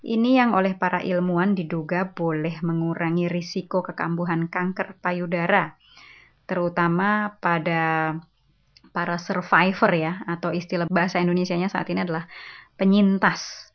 ini yang oleh para ilmuwan diduga boleh mengurangi risiko kekambuhan kanker payudara terutama pada para survivor ya atau istilah bahasa indonesia saat ini adalah penyintas